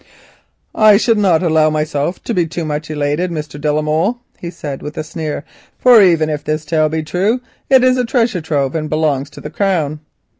"I should not allow myself to be too much elated, Mr. de la Molle," he said with a sneer, "for even if this tale be true, it is treasure trove, and belongs to the Crown."